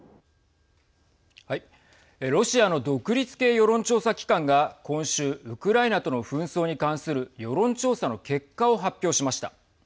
ロシアの独立系世論調査機関が今週、ウクライナとの紛争に関する世論調査の結果を発表しました。